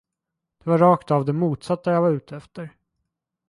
Det var rakt av det motsatta jag var ute efter.